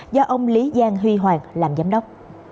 do ông lý giang huy hoàng làm giám đốc